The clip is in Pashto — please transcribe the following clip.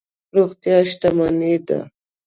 روغتیا شتمني ده.